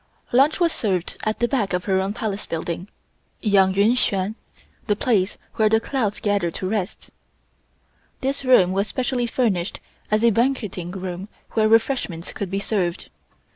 Lunch was served at the back of her own Palace building (Yang Yuen Hsuen the place where the clouds gather to rest). This room was specially furnished as a banqueting room where refreshments could be served.